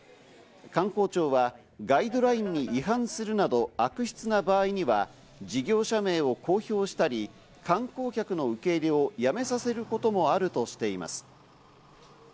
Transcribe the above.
観光庁はガイドラインに違反するなど悪質な場合には事業者名を公表したり、観光客の受け入れをやめさせることもあるとしています。